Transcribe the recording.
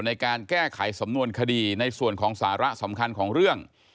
ในการแก้ไขสำนวนคดีในส่วนของสาระสำคัญของเรื่อง